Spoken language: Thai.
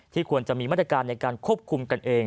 ควรจะมีมาตรการในการควบคุมกันเอง